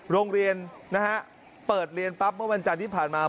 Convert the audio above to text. โรงเรียนนะฮะเปิดเรียนปั๊บเมื่อวันจันทร์ที่ผ่านมา